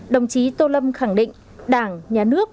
đồng chí tô lâm khẳng định đảng nhà nước